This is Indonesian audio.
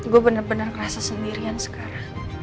gue bener bener ngerasa sendirian sekarang